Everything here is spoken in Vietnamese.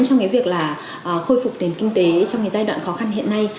trong cái việc là khôi phục nền kinh tế trong cái giai đoạn khó khăn hiện nay